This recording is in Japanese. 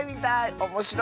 おもしろいね。